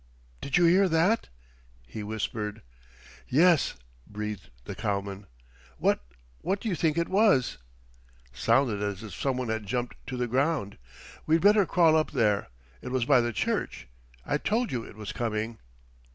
"Did you hear that?" he whispered. "Yes," breathed the cowman. "What what do you think it was?" "Sounded as if some one had jumped to the ground. We'd better crawl up there. It was by the church. I told you it was coming."